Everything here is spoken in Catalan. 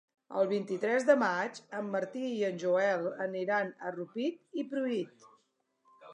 El vint-i-tres de maig en Martí i en Joel aniran a Rupit i Pruit.